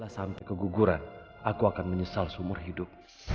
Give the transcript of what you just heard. sampai keguguran aku akan menyesal seumur hidup